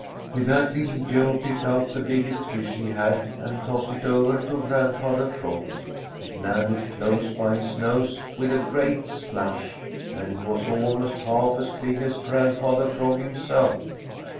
With that, Little Joe picked out the biggest fish he had and tossed it over to Grandfather Frog. It landed close by his nose with a great splash, and it was almost half as big as Grandfather Frog himself.